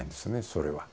それは。